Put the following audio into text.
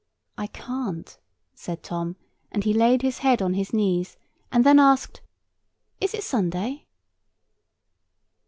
"I can't," said Tom, and he laid his head on his knees, and then asked— "Is it Sunday?"